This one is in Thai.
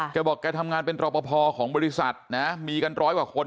แกบอกแกทำงานเป็นรอปภของบริษัทนะมีกันร้อยกว่าคน